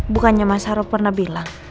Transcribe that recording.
bukannya mas haro pernah bilang